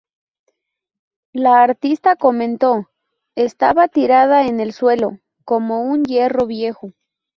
La artista comentó: "Estaba tirada en el suelo, como un hierro viejo.